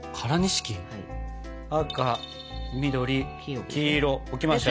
赤緑黄色置きましたよ。